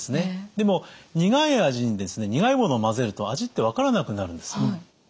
でも苦い味に苦いものを混ぜると味って分からなくなるんです。